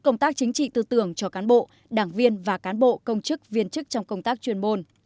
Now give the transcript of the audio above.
công tác chính trị tư tưởng cho cán bộ đảng viên và cán bộ công chức viên chức trong công tác chuyên môn